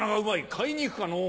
買いに行くかのう。